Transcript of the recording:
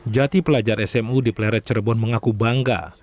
jati pelajar smu di pleret cirebon mengaku bangga